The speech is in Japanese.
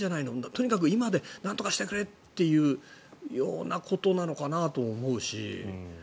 とにかく今でなんとかしてくれというようなことなのかなと思うし。